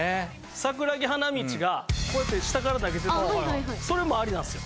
桜木花道がこうやって下から投げてもそれもありなんですよ。